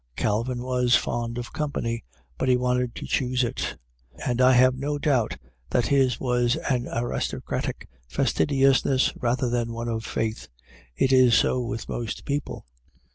Calvin was fond of company, but he wanted to choose it; and I have no doubt that his was an aristocratic fastidiousness rather than one of faith. It is so with most people.